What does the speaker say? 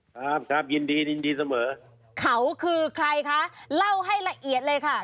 ครับครับยินดียินดีเสมอเขาคือใครคะเล่าให้ละเอียดเลยค่ะ